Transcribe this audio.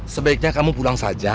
sebaiknya kamu pulang saja